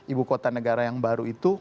ibu kota negara yang baru itu